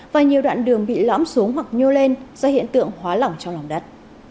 và nhiều đoạn đường bị lõm xuống hoặc nhô lên do hiện tượng hóa lỏng trong lòng đất